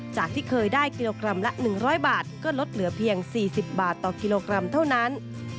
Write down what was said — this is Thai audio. จากที่เคยได้กิโลกรัมละ๑๐๐บาทก็ลดเหลือเพียง๔๐บาทต่อกิโลกรัมเท่านั้น